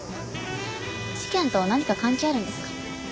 事件と何か関係あるんですか？